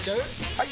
・はい！